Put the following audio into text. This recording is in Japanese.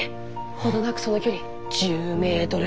程なくその距離１０メートル！